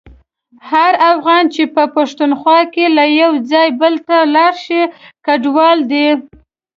هر افغان چي په پښتونخوا کي له یو ځایه بل ته ولاړشي کډوال دی.